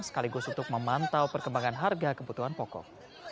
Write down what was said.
sekaligus untuk memantau perkembangan harga kebutuhan pokok